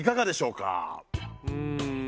うん。